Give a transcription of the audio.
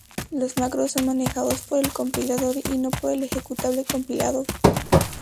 Los Macros son manejados por el compilador y no por el ejecutable compilado.